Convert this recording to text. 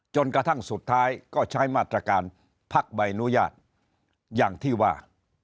จนกระทั่งสุดท้ายก็ใช้มาตรการพักใบอนุญาตอย่างที่ว่า